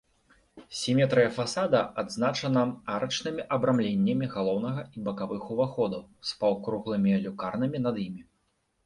Сіметрыя фасада адзначана арачнымі абрамленнямі галоўнага і бакавых уваходаў з паўкруглымі люкарнамі над імі.